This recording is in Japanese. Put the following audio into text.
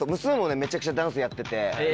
めちゃくちゃダンスやってて。